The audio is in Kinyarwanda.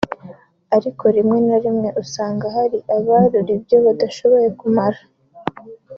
ariko rimwe na rimwe usanga hari abarura ibyo badashobora kumara